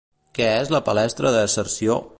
Què és la palestra de Cerció?